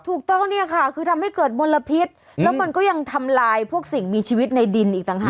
ถูกต้องเนี่ยค่ะคือทำให้เกิดมลพิษแล้วมันก็ยังทำลายพวกสิ่งมีชีวิตในดินอีกต่างหาก